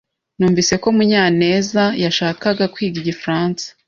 Numvise ko Munyanezyashakaga kwiga igifaransa.